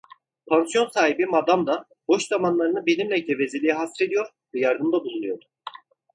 Pansiyon sahibi madam da boş zamanlarını benimle gevezeliğe hasrediyor ve yardımda bulunuyordu.